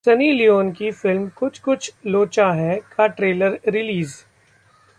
Sunny Leone की film 'Kuch Kuch Locha Hai' का trailer release